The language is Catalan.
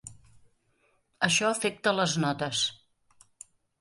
Això afecta les notes.